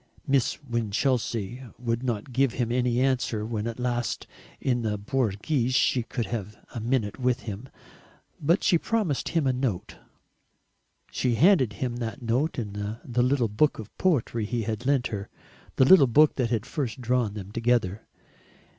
Miss Winchelsea would not give him any answer when at last, in the Borghese, she could have a minute with him; but she promised him a note. She handed him that note in the little book of poetry he had lent her, the little book that had first drawn them together.